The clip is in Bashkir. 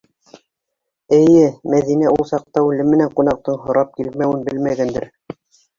Эйе, Мәҙинә ул саҡта үлем менән ҡунаҡтың һорап килмәүен белмәгәндер.